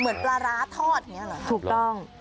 เหมือนปลาร้าทอดอย่างนี้เหรอถูกต้อง